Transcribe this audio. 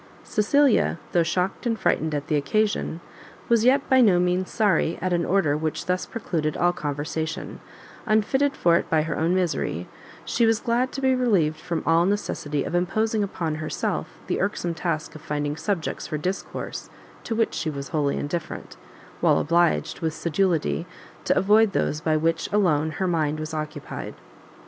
Cecilia, though shocked and frightened at the occasion, was yet by no means sorry at an order which thus precluded all conversation; unfitted for it by her own misery, she was glad to be relieved from all necessity of imposing upon herself the irksome task of finding subjects for discourse to which she was wholly indifferent, while obliged with sedulity to avoid those by which alone her mind was occupied.